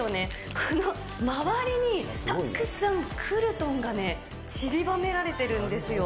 この周りにたくさんクルトンが散りばめられてるんですよ。